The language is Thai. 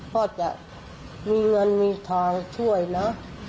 ก็จะมีเงินมีทางช่วยนะ